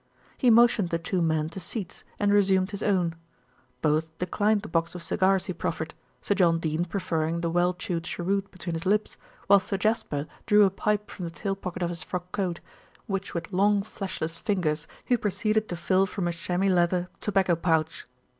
He motioned the two men to seats and resumed his own. Both declined the box of cigars he proffered, Sir John Dene preferring the well chewed cheroot between his lips, whilst Sir Jasper drew a pipe from the tail pocket of his frock coat, which with long fleshless fingers he proceeded to fill from a chamois leather tobacco pouch.